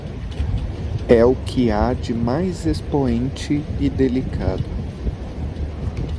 É o que há de mais expoente e delicado